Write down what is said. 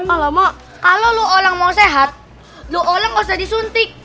alamak kalau lu orang mau sehat lu orang harus jadi suntik